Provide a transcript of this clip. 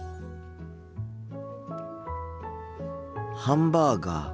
ハンバーガー。